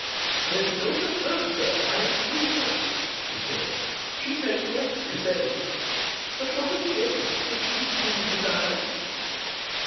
"Then go to her, sir, I entreat of you," she said; "she may yet be saved. But what of Jennet? Is she, too, to die?"